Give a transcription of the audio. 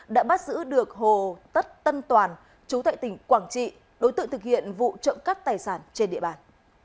đã bắt giữ được hồ tất tân toàn chú tại tỉnh quảng trị đối tượng thực hiện vụ trộm cắp tài sản trên địa bàn